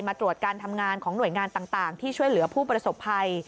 ตรวจการทำงานของหน่วยงานต่างที่ช่วยเหลือผู้ประสบภัย